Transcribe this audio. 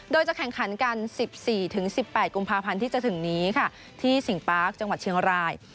โดยจะแข่งขันกัน๑๔๑๘กุมภาพันธ์ที่จะถึงนี้ค่ะที่สิงปาร์คจังหวัดเชียงราย